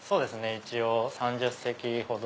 一応３０席ほど。